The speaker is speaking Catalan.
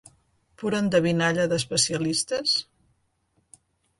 Pura endevinalla d'especialistes?